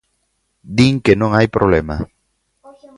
Din que non hai problema.